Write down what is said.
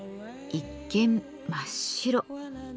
一見真っ白。